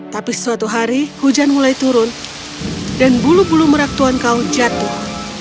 tapi suatu hari hujan mulai turun dan bulu bulu merak tuhan kau jatuh